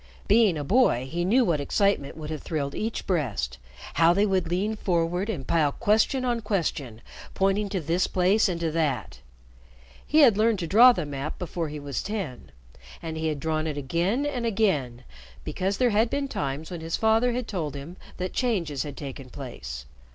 Being a boy, he knew what excitement would have thrilled each breast, how they would lean forward and pile question on question, pointing to this place and to that. He had learned to draw the map before he was ten, and he had drawn it again and again because there had been times when his father had told him that changes had taken place.